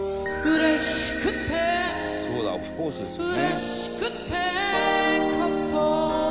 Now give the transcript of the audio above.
「そうだオフコースですよね」